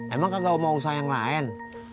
emang kagak mau usah yang lain